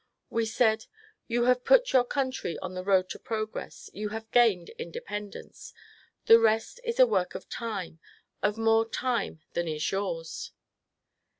We said, "You have put your country on the road to progress ; you have gained independ ence ; the rest is a work of time, of more time than is yours.